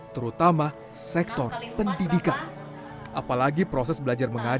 terutama sektor pendidikan